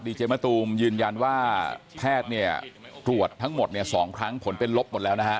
ดีเจมส์มะตุ้มยืนยันว่าแพทย์ตรวจทั้งหมด๒ครั้งผลเป็นลบหมดแล้วนะฮะ